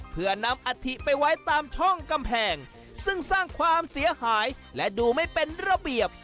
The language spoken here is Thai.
เพื่อนำอัฐิไปไว้ตามช่องกำแพงซึ่งสร้างความเสียหายและดูไม่เป็นระเบียบ